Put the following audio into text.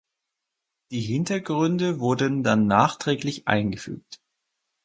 Die Hintergründe wurden dann nachträglich eingefügt.